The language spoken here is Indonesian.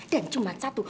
dan cuma satu